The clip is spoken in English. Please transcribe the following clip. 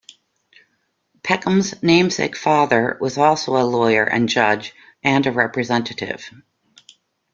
Peckham's namesake father was also a lawyer and judge, and a representative.